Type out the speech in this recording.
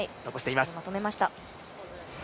まとめました。